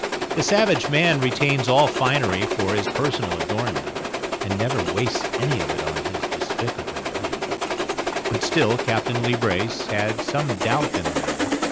The savage man retains all finery for his own personal adornment, and never wastes any of it on his despicable wife, but still Captain Leebrace had some doubt in the matter.